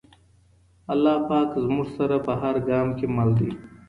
الله پاک زموږ سره په هر ګام کي مل دی.